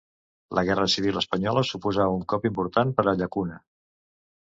La guerra civil espanyola suposà un cop important per a Llacuna.